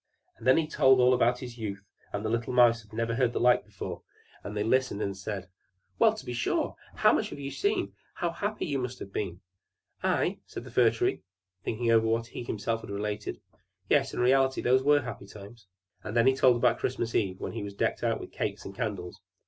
And then he told all about his youth; and the little Mice had never heard the like before; and they listened and said, "Well, to be sure! How much you have seen! How happy you must have been!" "I!" said the Fir Tree, thinking over what he had himself related. "Yes, in reality those were happy times." And then he told about Christmas eve, when he was decked out with cakes and candles.